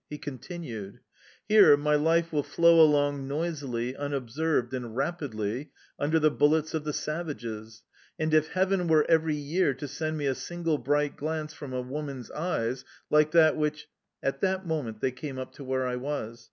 He continued: "Here, my life will flow along noisily, unobserved, and rapidly, under the bullets of the savages, and if Heaven were every year to send me a single bright glance from a woman's eyes like that which " At that moment they came up to where I was.